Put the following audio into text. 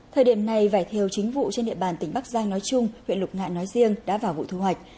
thời điểm này vải thiều chính vụ trên địa bàn tỉnh bắc giang nói chung huyện lục ngạn nói riêng đã vào vụ thu hoạch